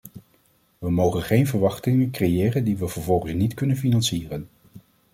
We mogen geen verwachtingen creëren die we vervolgens niet kunnen financieren.